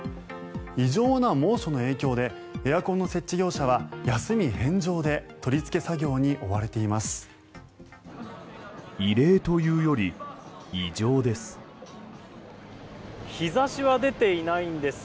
異常な猛暑の影響でエアコンの設置業者は休み返上で取りつけ作業に追われています。